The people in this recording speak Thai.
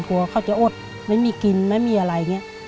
กลัวเขาจะอดไม่มีกินไม่มีอะไรอย่างนี้